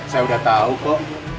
saya udah tahu kok